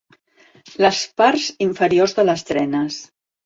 Les parts inferiors de les trenes.